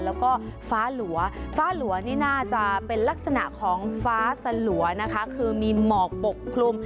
แล้วก็ฟ้าหลัวฟ้าหลัวนี่น่าจะเป็นลักษณะของฟ้าสลัวนะคะคือมีหมอกปกคลุม